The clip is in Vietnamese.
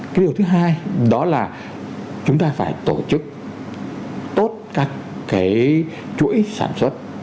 cái điều thứ hai đó là chúng ta phải tổ chức tốt các cái chuỗi sản xuất